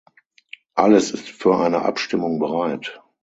Alles ist für eine Abstimmung bereit.